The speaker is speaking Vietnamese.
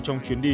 trong chuyến đi